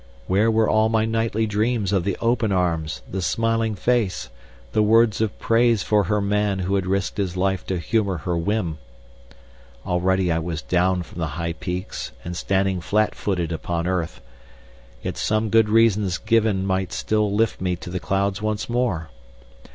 Where were all my nightly dreams of the open arms, the smiling face, the words of praise for her man who had risked his life to humor her whim? Already I was down from the high peaks and standing flat footed upon earth. Yet some good reasons given might still lift me to the clouds once more.